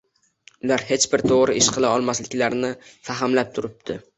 Ular hech bir to‘g‘ri ish qila olmasliklarini fahmlab turibdi